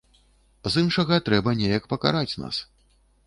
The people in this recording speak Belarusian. З іншага, трэба неяк пакараць нас.